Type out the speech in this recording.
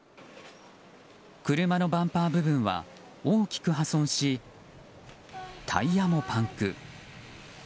車のバンパー部分は大きく破損しタイヤもパンク。